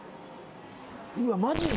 うわマジで？